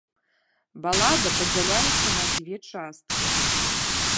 Балада падзяляецца на дзве часткі.